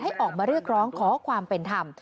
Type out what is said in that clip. ออกมาเรียกร้องขอความเป็นธรรม